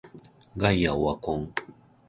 ガイアオワコン